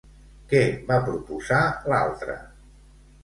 Què va proposar l'altre?